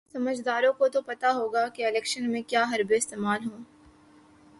سمجھداروں کو تو پتا ہوگا کہ الیکشن میں کیا حربے استعمال ہوں۔